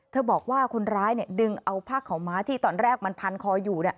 บอกว่าคนร้ายดึงเอาผ้าขาวม้าที่ตอนแรกมันพันคออยู่